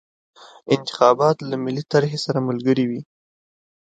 انتخابات له ملي طرحې سره ملګري وي.